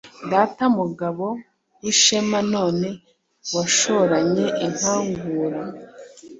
Data Mugabo w'ishema None washoranye inkangura*,